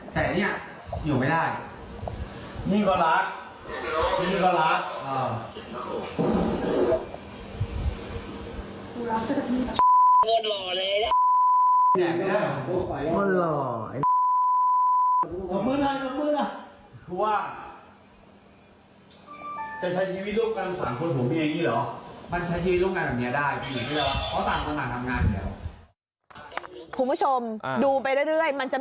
พี่ชายของขุนแผนคนนี้นั่งเป็นคนกลางในการเจรจา